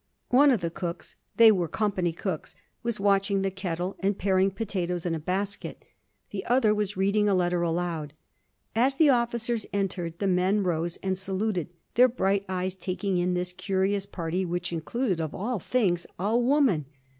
One of the cooks they were company cooks was watching the kettle and paring potatoes in a basket. The other was reading a letter aloud. As the officers entered the men rose and saluted, their bright eyes taking in this curious party, which included, of all things, a woman!